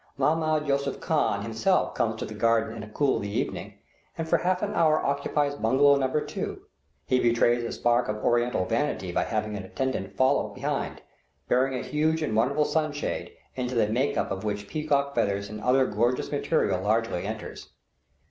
Mahmoud Tusuph Khan himself comes to the garden in the cool of the evening, and for half an hour occupies bungalow No. 2. He betrays a spark of Oriental vanity by having an attendant follow behind, bearing a huge and wonderful sun shade, into the make up of which peacock feathers and other gorgeous material largely enters.